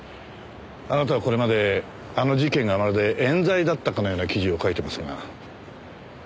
あなたはこれまであの事件がまるで冤罪だったかのような記事を書いていますが。